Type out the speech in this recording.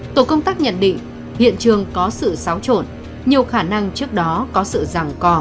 tổ công tác nhận định hiện trường có sự xáo trộn nhiều khả năng trước đó có sự ràng cò